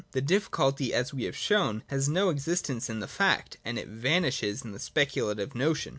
The difficulty, as we have shown, has no existence in the fact, and it vanishes in the speculative notion.